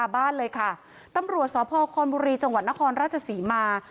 บ้านเลยค่ะตำรวจสพคอนบุรีจังหวัดนครราชศรีมา